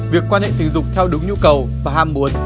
việc quan hệ tình dục theo đúng nhu cầu và ham muốn